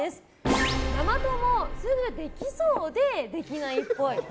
ママ友、すぐできそうでできないっぽい。